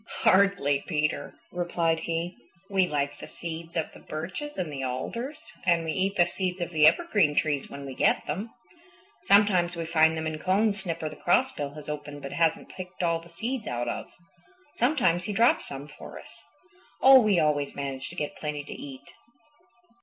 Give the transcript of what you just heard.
"Hardly, Peter," replied he. "We like the seeds of the birches and the alders, and we eat the seeds of the evergreen trees when we get them. Sometimes we find them in cones Snipper the Crossbill has opened but hasn't picked all the seeds out of. Sometimes he drops some for us. Oh, we always manage to get plenty to eat.